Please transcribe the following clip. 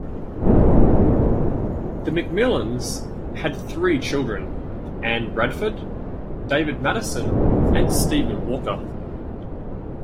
The McMillans had three children: Ann Bradford, David Mattison and Stephen Walker.